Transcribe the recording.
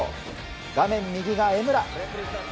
画面右が江村。